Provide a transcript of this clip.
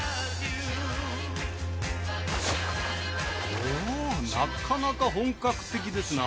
ほうなかなか本格的ですな。